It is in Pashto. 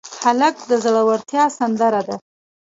هلک د زړورتیا سندره ده.